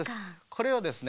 これをですね